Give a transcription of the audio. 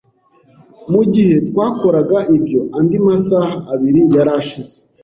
Mugihe twakoraga ibyo, andi masaha abiri yarashize.